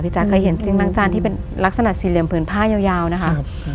แจ๊เคยเห็นเตียงล้างจานที่เป็นลักษณะสี่เหลี่ยมผืนผ้ายาวนะคะ